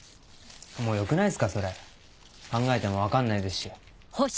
もうよくないっすかそれ考えても分かんないですし。